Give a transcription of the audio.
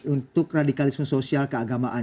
untuk radikalisme sosial keagamaan